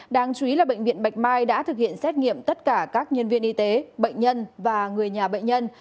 đáng chú ý là bệnh viện bạch mai đã thực hiện xét nghiệm tất cả các nhân viên y tế bệnh nhân và người nhà bệnh nhân